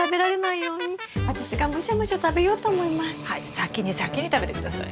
先に先に食べて下さい。